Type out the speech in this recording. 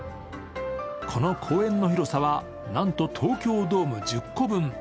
この公園の広さはなんと東京ドーム１０個分。